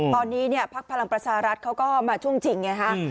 ตอนนี้ภาคพลังประชารัฐเขาก็มาช่วงจริง